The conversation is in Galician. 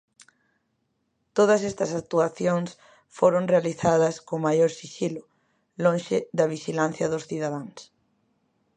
Todas estas actuacións foron realizadas co maior sixilo, lonxe da vixilancia dos cidadáns.